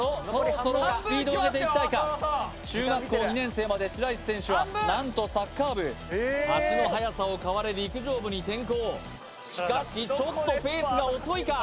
そのスピードを上げていきたいか白石選手は何と足の速さを買われ陸上部に転向しかしちょっとペースが遅いか？